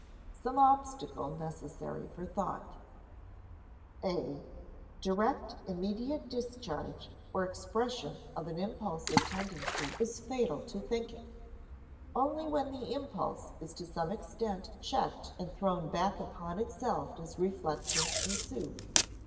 [Sidenote: Some obstacle necessary for thought] (a) Direct immediate discharge or expression of an impulsive tendency is fatal to thinking. Only when the impulse is to some extent checked and thrown back upon itself does reflection ensue.